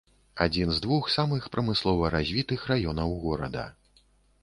Адзін з двух самых прамыслова развітых раёнаў горада.